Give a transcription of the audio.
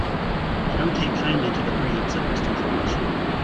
"I don't take kindly to the breed," said Mr. George.